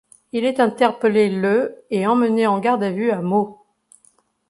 Il est interpellé le et emmené en garde à vue à Meaux.